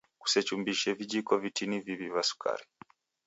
Kusechumbise vijiko vitini viw'i va sukari.